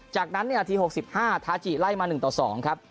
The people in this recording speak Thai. จากนั้นเนี่ยนาที๖๕ทาจิไล่มา๑ต่อ๒ครับ